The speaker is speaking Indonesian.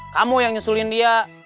kamu yang nyusulin dia